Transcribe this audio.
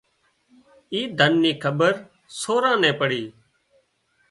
اي ڌن نِي کٻيرسوران نين پڙي